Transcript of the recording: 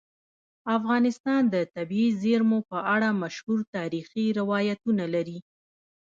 افغانستان د طبیعي زیرمې په اړه مشهور تاریخی روایتونه لري.